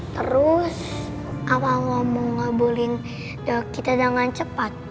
terus apa allah mau ngabulin doa kita dengan cepat